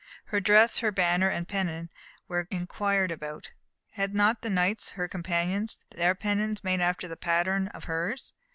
Her dress, her banner and pennon, were inquired about. Had not the Knights, her companions, their pennons made after the pattern of hers?